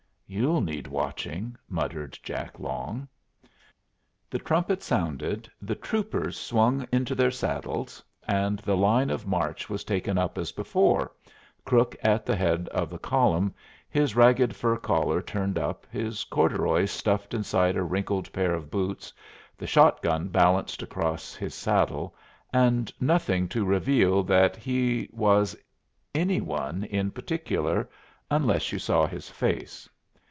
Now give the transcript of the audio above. "You'll need watchin'," muttered Jack Long. The trumpet sounded, the troopers swung into their saddles, and the line of march was taken up as before, Crook at the head of the column, his ragged fur collar turned up, his corduroys stuffed inside a wrinkled pair of boots, the shot gun balanced across his saddle, and nothing to reveal that he was any one in particular, unless you saw his face.